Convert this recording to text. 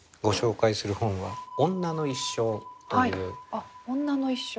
あっ「女の一生」。